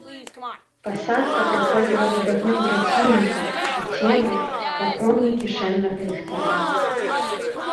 Пасадка праходзіла пад агнём праціўніка, у цемры, па промні кішэннага ліхтара.